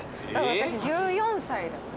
私１４歳だった。